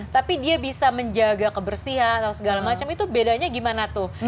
tapi dia bisa menjaga kebersihan atau segala macam itu bedanya gimana tuh